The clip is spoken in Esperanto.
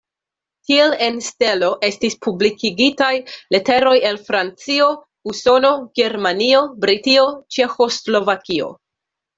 Tiel en "Stelo" estis publikigitaj leteroj el Francio, Usono, Germanio, Britio, Ĉeĥoslovakio.